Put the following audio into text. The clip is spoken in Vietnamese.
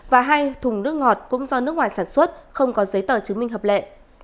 và hai thùng nước ngọt cũng do nước ngoài sản xuất không có giấy tờ chứng minh hợp lệ